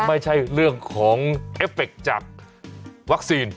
ไม่ใช่เรื่องของเอฟเฟคจากวัคซีน